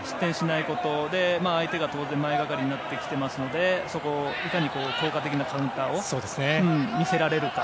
そして相手が前がかりになってきていますのでそこでいかに効果的なカウンターを見せられるか。